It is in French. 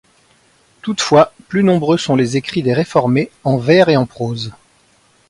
Toutefois, plus nombreux sont les écrits des réformés, en vers et en prose.